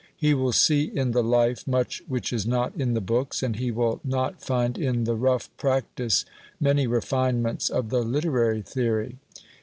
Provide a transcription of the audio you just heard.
He will see in the life much which is not in the books; and he will not find in the rough practice many refinements of the literary theory.